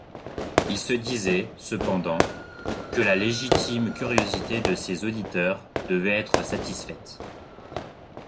Il se disait, cependant, que la légitime curiosité de ses auditeurs devait être satisfaite.